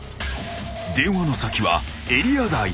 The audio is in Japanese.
［電話の先はエリア外］